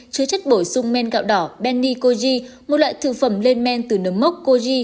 chứa chất bổ sung men gạo đỏ benicoji một loại thư phẩm lên men từ nấm mốc koji